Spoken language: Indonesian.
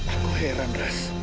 aku heran ras